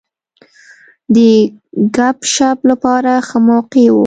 د ګپ شپ لپاره ښه موقع وه.